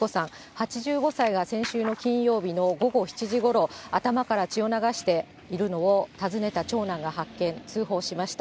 ８５歳が、先週の金曜日の午後７時ごろ、頭から血を流しているのを訪ねた長男が発見、通報しました。